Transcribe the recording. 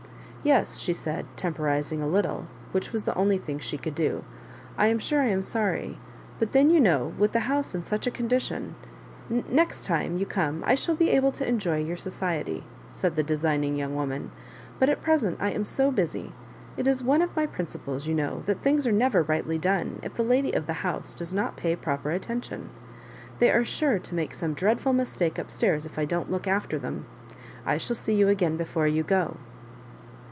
" Yes," she said, temporising a little, which was the only thing she could do, "I am sure I am sorry ; but then, you know, with the house in such a condition I Next time you come I shall be able to enjoy your society," said the de signing young woman ;but at present I am so busy. It is one of my principles, you know, that things are never rightly done if the lady of the house does not pay proper attention. They are sure to make some dreadful mistake up stairs if I don't look after them. I shall see you again before you go."